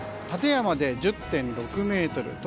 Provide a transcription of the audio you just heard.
館山で１０．６メートル